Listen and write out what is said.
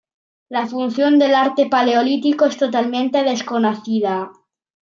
La función del arte paleolítico es totalmente desconocida.